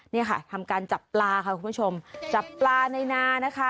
นี่ค่ะทำการจับปลาค่ะคุณผู้ชมจับปลาในนานะคะ